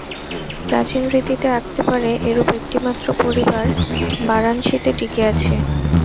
প্রাচীন রীতিতে আঁকতে পারে, এরূপ একটি মাত্র পরিবার বারাণসীতে টিকে আছে।